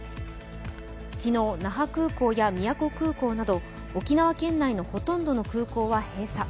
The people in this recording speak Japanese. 昨日、那覇空港や宮古空港など沖縄県内のほとんどの空港は閉鎖。